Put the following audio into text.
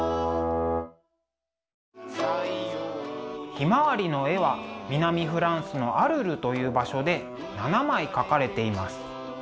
「ひまわり」の絵は南フランスのアルルという場所で７枚描かれています。